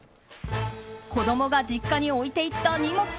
子供が実家に置いていった荷物。